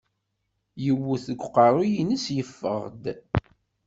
Yewwet deg uqerru-ines yeffeɣ-d.